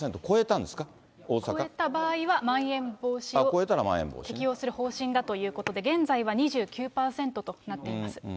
超えた場合はまん延防止を適用する方針だということで、現在は２９％となっています。